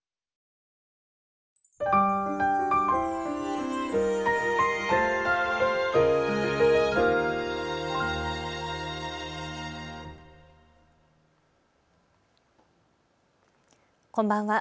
こんばんは。